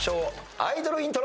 アイドルイントロ。